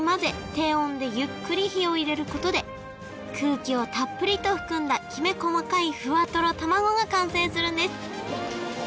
低温でゆっくり火を入れることで空気をたっぷりと含んだきめ細かいふわトロ卵が完成するんです！